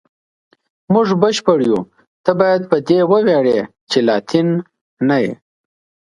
موږ بشپړ یو، ته باید په دې وویاړې چې لاتین نه یې.